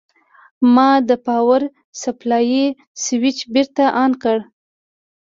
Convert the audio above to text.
ما د پاور سپلای سویچ بېرته آن کړ.